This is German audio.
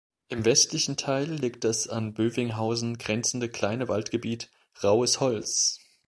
Im westlichen Teil liegt das an Bövinghausen grenzende kleine Waldgebiet "Rauhes Holz.